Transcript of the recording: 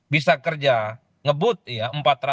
bisa kerja ngebut ya empat ratus